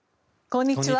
こんにちは。